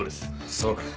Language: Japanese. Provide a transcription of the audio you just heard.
そうか。